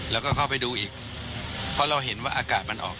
แล้วก็เข้าไปดูอีกเพราะเราเห็นว่าอากาศมันออก